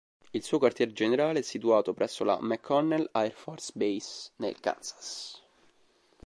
Il suo quartier generale è situato presso la McConnell Air Force Base, nel Kansas.